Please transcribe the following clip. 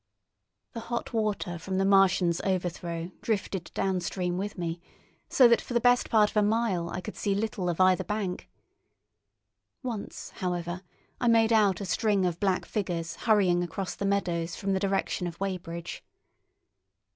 The hot water from the Martian's overthrow drifted downstream with me, so that for the best part of a mile I could see little of either bank. Once, however, I made out a string of black figures hurrying across the meadows from the direction of Weybridge.